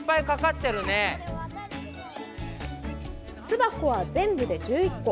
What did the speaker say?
巣箱は全部で１１個。